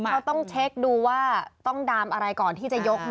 เขาต้องเช็คดูว่าต้องดามอะไรก่อนที่จะยก